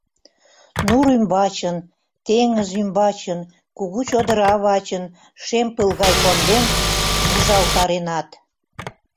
Нур ӱмбачын, теҥыз ӱмбачын, кугу чодыра вачын шем пыл гай конден, вузалтаренат.